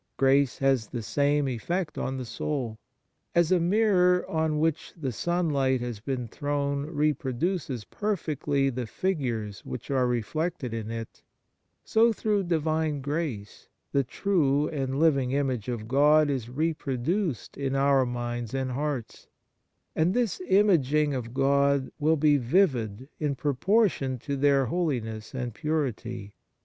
Grace has the same effect on the soul. As a mirror on which the sunlight has been thrown reproduces perfectly the features which are reflected in it, so through Divine grace the true and 1 2 Cor. iv. 6. THE MARVELS OF DIVINE GRACE living image of God is reproduced in our minds and hearts, and this imaging of God will be vivid in proportion to their holiness and purity.